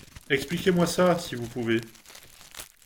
Expliquez-moi ça ! si vous pouvez.